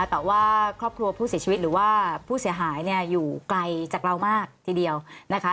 แต่ว่าครอบครัวผู้เสียชีวิตหรือว่าผู้เสียหายเนี่ยอยู่ไกลจากเรามากทีเดียวนะคะ